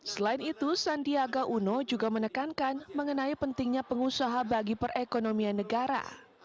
selain itu sandiaga uno juga menekankan mengenai pentingnya pengusaha bagi perekonomian negara